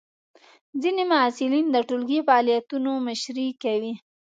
ځینې محصلین د ټولګی فعالیتونو مشري کوي.